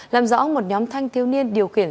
làm rõ một nhóm thanh thiếu niên điều khiển